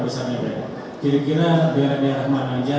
jadi kira kira biar biar manajan